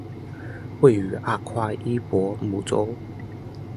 位于阿夸伊博姆州。